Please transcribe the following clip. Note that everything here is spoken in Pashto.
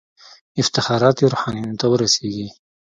افتخارات یې روحانیونو ته ورسیږي.